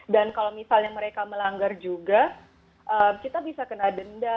dan kalau misalnya mereka melanggar juga kita bisa kena denda